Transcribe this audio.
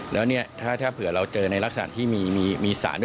แล้วถ้าเผื่อเราเจอในลักษณะที่มีสาร